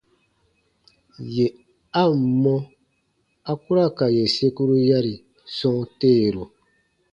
Yè a ǹ mɔ, a ku ra ka yè sekuru yari sɔ̃ɔ teeru.